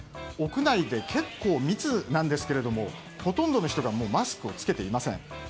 屋内で結構密なんですがほとんどの人がマスクを着けていません。